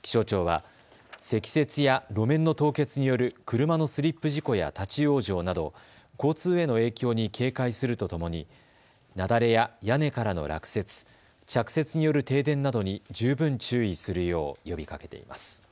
気象庁は積雪や路面の凍結による車のスリップ事故や立往生など交通への影響に警戒するとともに雪崩や屋根からの落雪、着雪による停電などに十分注意するよう呼びかけています。